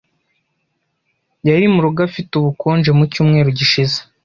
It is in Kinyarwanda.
Yari murugo afite ubukonje mu cyumweru gishize.